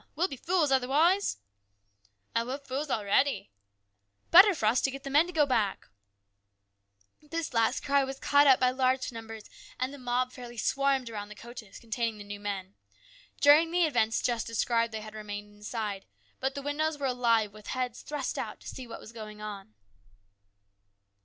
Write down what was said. We'll be fools otherwise !"" Ay, we're fools a'ready !"" Better for us to get the men to go back !" This last cry was caught up by large numbers, and the mob fairly swarmed round the coaches containing the new men. During the events just described they had remained inside, but the windows were alive with heads thrust out to see what was going on.